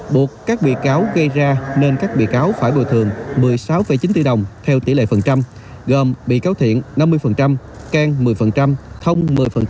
buộc các bị cáo gây ra nên các bị cáo phải bồi thường một mươi sáu chín tỷ đồng theo tỷ lệ phần trăm gồm bị cáo thiện năm mươi can một mươi thông một mươi